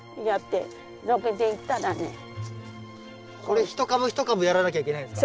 これ一株一株やらなきゃいけないんですか？